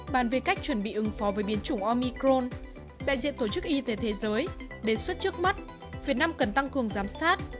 bàn về cách chuẩn bị ứng phó với biến chủng omicron đại diện tổ chức y tế thế giới đề xuất trước mắt việt nam cần tăng cường giám sát